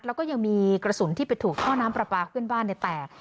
แล้วก็ยังมีกระสุนที่ไปถูกท่อน้ำปลาปลาเพื่อนบ้านแตก